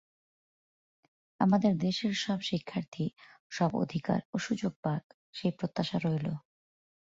আমাদের দেশের সব শিক্ষার্থী সব অধিকার ও সুযোগ পাক সেই প্রত্যাশা রইল।